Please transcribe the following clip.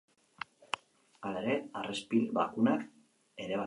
Hala ere, harrespil bakunak ere badira.